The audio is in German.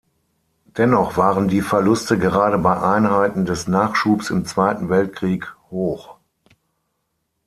Dennoch waren die Verluste gerade bei Einheiten des Nachschubs im Zweiten Weltkrieg hoch.